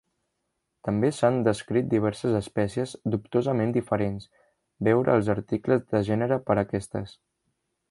També s'han descrit diverses espècies dubtosament diferents; veure els articles de gènere per aquestes.